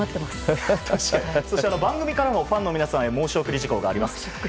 番組からもファンの皆さんへ申し送り事項があります。